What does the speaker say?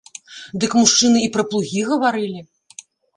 Дык мужчыны і пра плугі гаварылі.